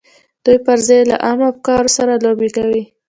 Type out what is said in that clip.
دوی پر ځای یې له عامو افکارو سره لوبې کوي